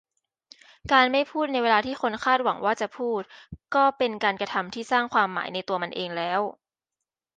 การ'ไม่พูด'ในเวลาที่คนคาดหวังว่าจะพูด ก็เป็นการกระทำที่สร้างความหมายในตัวมันเองแล้ว